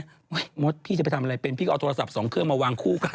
มดพี่จะไปทำอะไรเป็นพี่ก็เอาโทรศัพท์สองเครื่องมาวางคู่กัน